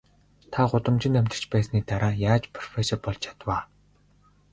Та гудамжинд амьдарч байсныхаа дараа яаж профессор болж чадав аа?